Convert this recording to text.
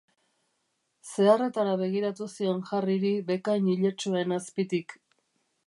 Zeharretara begiratu zion Harryri bekain iletsuen azpitik.